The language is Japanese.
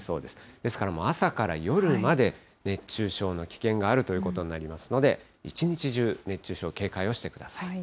ですから朝から夜まで、熱中症の危険があるということになりますので、一日中、熱中症、警戒をしてください。